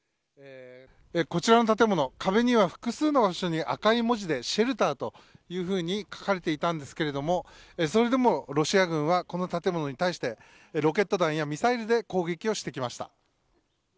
こちらの建物壁には複数の場所に赤い文字でシェルターと書かれていたんですがそれでもロシア軍はこの建物に対してロケット弾やミサイルで攻撃をしてきました。